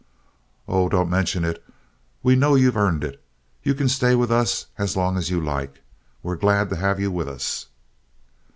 "Oh, don't mention it. We know you've earned it. You can stay with us as long as you like. We're glad to have you with us."